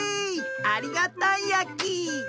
ありがたいやき！